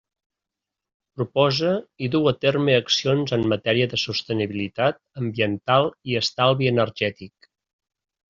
Proposa i duu a terme accions en matèria de sostenibilitat ambiental i estalvi energètic.